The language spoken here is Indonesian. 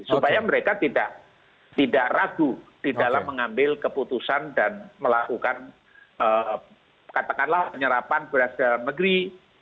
supaya mereka tidak ragu di dalam mengambil keputusan dan melakukan katakanlah penyerapan beras dalam negeri